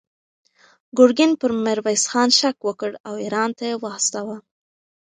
ګورګین پر میرویس خان شک وکړ او ایران ته یې واستاوه.